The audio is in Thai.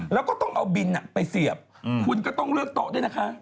แล้วก็ต้องเอาบินไปเสียบคุณก็ต้องเลือกโต๊ะด้วยนะคะ